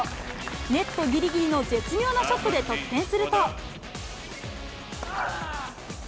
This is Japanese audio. ネットぎりぎりの絶妙なショットで得点すると。